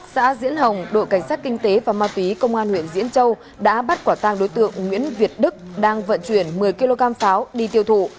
xã diễn hồng đội cảnh sát kinh tế và ma túy công an huyện diễn châu đã bắt quả tang đối tượng nguyễn việt đức đang vận chuyển một mươi kg pháo đi tiêu thụ